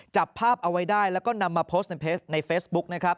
จับภาพเอาไว้ได้แล้วก็นำมาโพสต์ในเฟซบุ๊กนะครับ